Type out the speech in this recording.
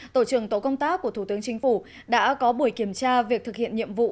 tổ trưởng tổ công tác của thủ tướng chính phủ đã có buổi kiểm tra việc thực hiện nhiệm vụ